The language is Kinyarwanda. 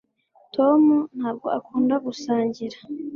tom ntabwo akunda gusangira